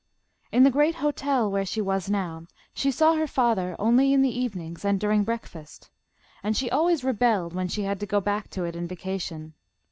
In the great hotel where she was now, she saw her father only in the evenings, and during breakfast, and she always rebelled when she had to go back to it in vacation.